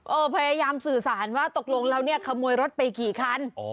พยายามสื่อสารว่าตกลงแล้วเนี่ยขโมยรถไปกี่คัน